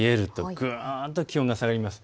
ぐんと気温が下がります。